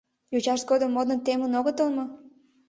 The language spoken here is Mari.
— Йочашт годым модын темын огытыл мо?